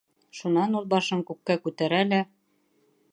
Шунан ул башын күккә күтәрә лә: